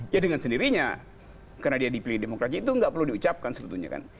ya dengan sendirinya karena dia dipilih demokrasi itu nggak perlu diucapkan sebetulnya kan